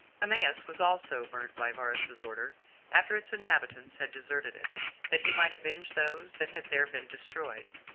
Emmaus was also burnt by Varus's order, after its inhabitants had deserted it, that he might avenge those that had there been destroyed.